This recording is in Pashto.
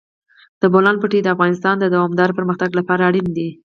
د بولان پټي د افغانستان د دوامداره پرمختګ لپاره اړین دي.